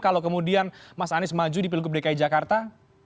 kalau kemudian mas anies maju di pilgub dki jakarta